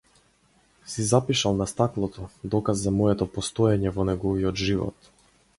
Си запишал на стаклото, доказ за моето постоење во неговиот живот.